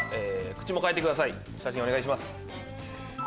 写真お願いします。